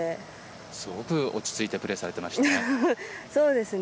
すごく落ち着いてプレーされてましたね。